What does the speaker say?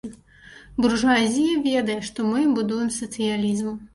Буржуазія ведае, што мы будуем сацыялізм.